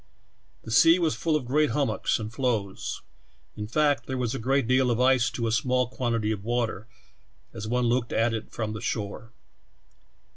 The sea was full of great hummocks and floes — in fact, there was a gi'eat deal of ice to a small quantit^^ of water, as one looked at it from the shore.